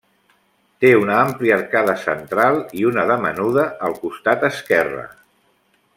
Té una àmplia arcada central i una de menuda al costat esquerre.